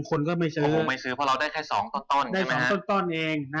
เพราะเราไม่ซื้อเพราะเราได้สองต้นต้นเอง